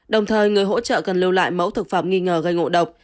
đồng thời người hỗ trợ cần lưu lại mẫu thực phẩm nghi ngờ gây ngộ độc